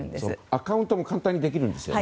アカウントも簡単に作れるんですよね？